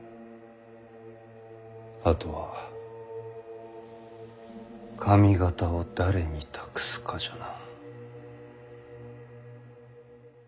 あとは上方を誰に託すかじゃな。